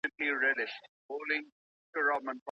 څه وخت ملي سوداګر موټرونه هیواد ته راوړي؟